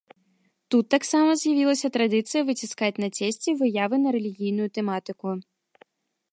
Тут таксама з'явілася традыцыя выціскаць на цесце выявы на рэлігійную тэматыку.